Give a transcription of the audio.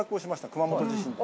熊本地震で。